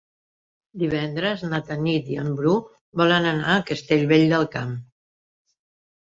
Divendres na Tanit i en Bru volen anar a Castellvell del Camp.